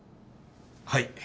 はい。